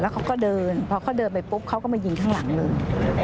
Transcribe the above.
เขาก็เดินพอเขาเดินไปปุ๊บเขาก็มายิงข้างหลังเลย